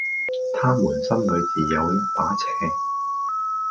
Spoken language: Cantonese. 他們心裏自有一把尺